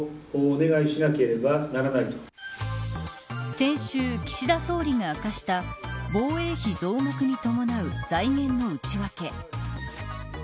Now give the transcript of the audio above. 先週、岸田総理が明かした防衛費増額に伴う財源の内訳。